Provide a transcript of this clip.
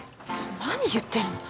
何言ってるの。